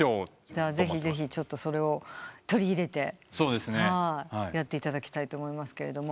じゃあぜひそれを取り入れてやっていただきたいと思います。